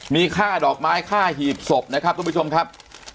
มีค่าดอกไม้ค่าหีบศพนะครับทุกผู้ชมครับ